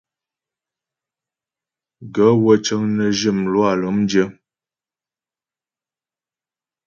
Gaə̂ wə́ cə́ŋ nə́ zhyə mlwâ lɔ́mdyə́.